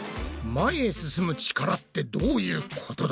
前へ進む力ってどういうことだ？